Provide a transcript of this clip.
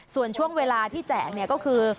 ส่วนช่วงเวลาที่แจกก็คือ